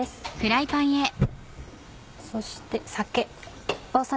そして酒。